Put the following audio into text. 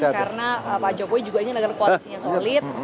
karena pak jokowi juga ini negara kualitasinya solid